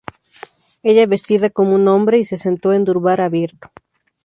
Ella vestida como un hombre y se sentó en durbar abierto.